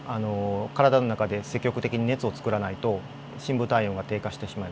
体の中で積極的に熱をつくらないと深部体温が低下してしまいます。